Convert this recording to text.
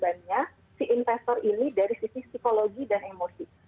dan keuntungannya si investor ini dari sisi psikologi dan emosi